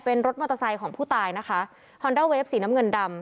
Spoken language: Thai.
เป็นรถมอเตอร์ไซค์ของผู้ตายนะคะฮอนด้าเวฟสีน้ำเงินดำ